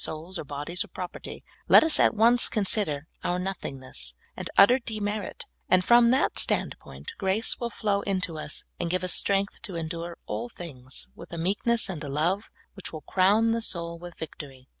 souls or bodies or propert}^ let us at once consider our nothingness and utter de merit, and, from that standpoint, grace will flow into us, and give us strength to endure all things with a meekness and a love which will crown the soul with victory.